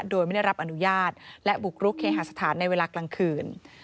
โดยไม่ได้รับอนุญาตและบุกรุกเคหาสถานในเวลากลางคืน